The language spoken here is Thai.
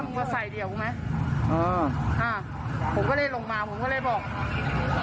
มึงก็ใส่เดี๋ยวไหมอ่าอ่าผมก็เลยลงมาผมก็เลยบอก